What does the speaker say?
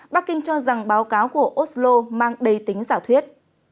bắc kinh cho rằng báo cáo của oslo mang đầy tính giả thuyết